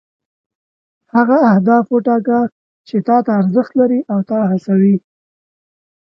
هغه اهداف وټاکه چې تا ته ارزښت لري او تا هڅوي.